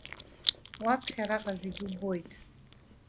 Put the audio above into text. Уаԥхь, араҟа зегьы убоит.